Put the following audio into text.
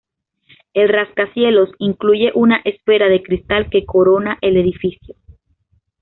El rascacielos incluye una esfera de cristal que corona el edificio.